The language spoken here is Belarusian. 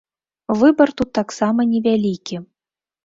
Выбар тут таксама невялікі.